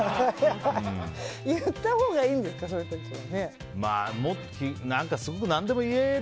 言ったほうがいいんですかね